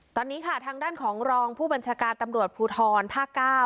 ตอนนี้ค่ะทางด้านของรองผู้บัญชาการตำรวจภูทรภาค๙